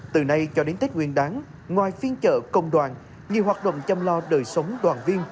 từ nay cho đến tết nguyên đáng ngoài phiên chợ công đoàn nhiều hoạt động chăm lo đời sống đoàn viên